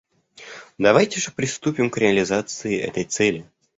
Давайте же приступим к реализации этой цели.